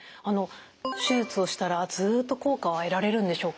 手術をしたらずっと効果は得られるんでしょうか？